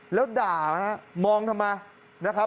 แล้วด่ามองทำไมนะครับ